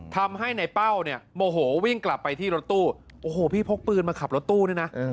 ทำให้ในเป้าเนี่ยโมโหวิ่งกลับไปที่รถตู้โอ้โหพี่พกปืนมาขับรถตู้ด้วยนะ